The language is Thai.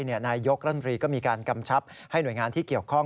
นายกรัฐมนตรีก็มีการกำชับให้หน่วยงานที่เกี่ยวข้อง